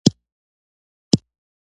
• بښنه کول تر ټولو غوره انتقام دی.